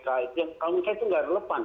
kalau misalnya itu tidak relevan